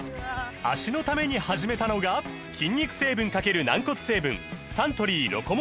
脚のために始めたのが筋肉成分×軟骨成分サントリー「ロコモア」です